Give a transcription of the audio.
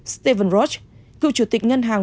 stephen roche cựu chủ tịch ngân hàng